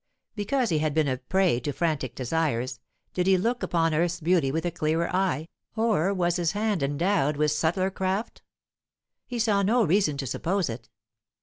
Because he had been a prey to frantic desires, did he look upon earth's beauty with a clearer eye, or was his hand endowed with subtler craft? He saw no reason to suppose it.